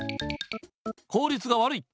効率が悪い。